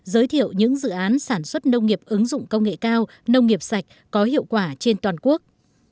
giới thiệu những dự án sản xuất nông nghiệp ứng dụng công nghệ cao nông nghiệp sạch có hiệu quả trên toàn quốc